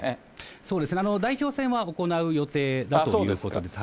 そうですね、代表選は行う予定だということです。